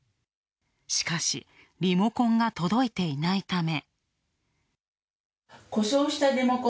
しかし、リモコンが届いていないため。